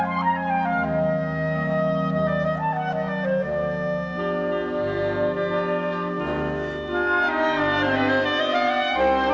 โปรดติดตามต่อไป